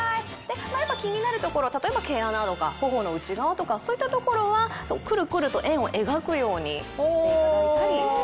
気になる所例えば毛穴とか頬の内側とかそういった所はクルクルと円を描くようにしていただいたり。